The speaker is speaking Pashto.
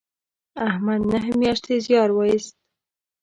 احمد نهه میاشتې زیار و ایست